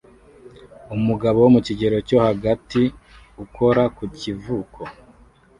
umugabo wo mu kigero cyo hagati ukora ku kivuko